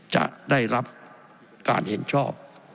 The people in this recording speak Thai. จะได้รับการเห็นชอบ